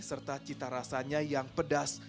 serta cita rasanya yang pedas